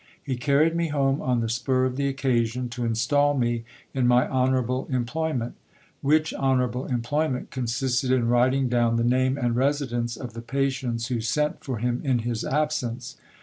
He carried me home on the spur of the occasion, to instal me in my honourable employment ; which honourable employment consisted in writing down the name and residence of the patients who sent for him in his absence.